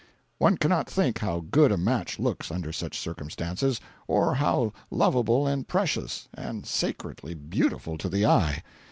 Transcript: One cannot think how good a match looks under such circumstances—or how lovable and precious, and sacredly beautiful to the eye.